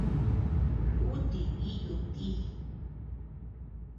Lúti íyu ti.